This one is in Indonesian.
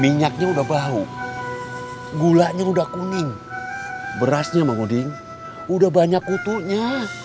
minyaknya udah bau gulanya udah kuning berasnya mang uding udah banyak kutunya